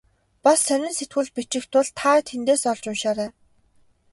Бас сонин сэтгүүлд бичих тул та тэндээс олж уншаарай.